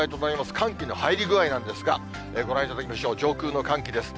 寒気の入り具合なんですが、ご覧いただきましょう、上空の寒気です。